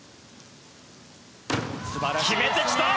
決めてきた！